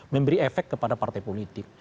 memberi efek kepada partai politik